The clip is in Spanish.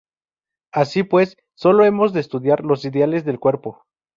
Así pues solo hemos de estudiar los ideales del cuerpo.